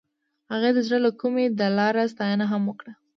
هغې د زړه له کومې د لاره ستاینه هم وکړه.